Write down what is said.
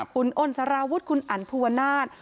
คุณอ้นสารวุฒิคุณอันภูวนาศ